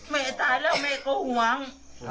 ตายแล้วแม่ก็ห่วง